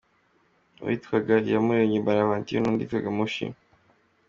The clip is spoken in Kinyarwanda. Uwitwaga Iyamuremye Bonaventure n’undi witwaga Mushi.